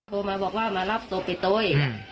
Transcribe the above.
โทรมาบอกว่ามารับศพไปโตย